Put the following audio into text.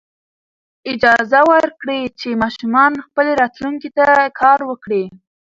اجازه ورکړئ چې ماشومان خپلې راتلونکې ته کار وکړي.